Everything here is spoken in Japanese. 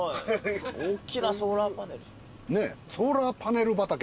おっきなソーラーパネル。